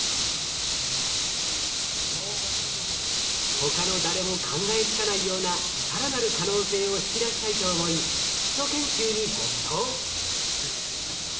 他の誰も考えつかないような更なる可能性を引き出したいと思い基礎研究に没頭。